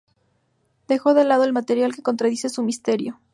Deja de lado el material que contradice su misterio"".